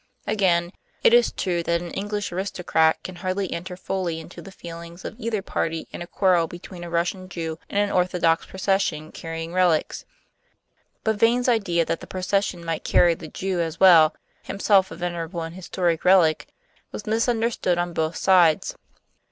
Again, it is true that an English aristocrat can hardly enter fully into the feelings of either party in a quarrel between a Russian Jew and an Orthodox procession carrying relics; but Vane's idea that the procession might carry the Jew as well, himself a venerable and historic relic, was misunderstood on both sides.